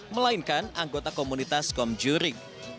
melainkan anggota komunitas komjurik